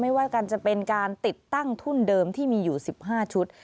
ว่ากันจะเป็นการติดตั้งทุนเดิมที่มีอยู่๑๕ชุด